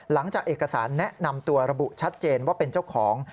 หลังจากเอกสารแนะนำตัวระบุชัดเจนว่าเป็นเจ้าของ